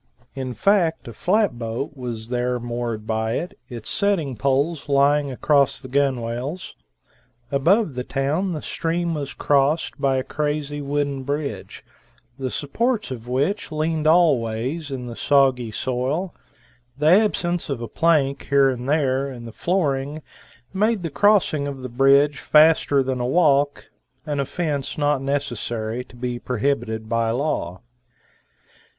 In fact a flat boat was there moored by it, it's setting poles lying across the gunwales. Above the town the stream was crossed by a crazy wooden bridge, the supports of which leaned all ways in the soggy soil; the absence of a plank here and there in the flooring made the crossing of the bridge faster than a walk an offense not necessary to be prohibited by law.